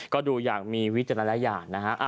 ก็ดูอย่างมีวิจารณะหลายอย่างนะฮะ